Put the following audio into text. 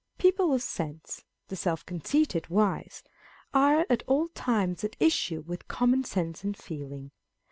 People of sense, the self conceited wise, are at all times at issue with common sense and feeling.